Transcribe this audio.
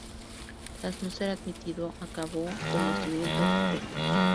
Tras no ser admitido, acabó como estudiante asistente.